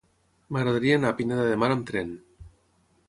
M'agradaria anar a Pineda de Mar amb tren.